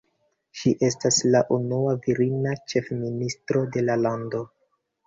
Ŝi estas la unua virina ĉefministro de la lando.